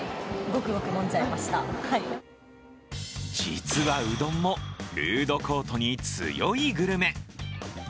実は、うどんもフードコートに強いグルメ。